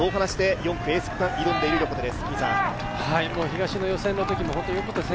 ４区エース区間に挑んでいる横手です。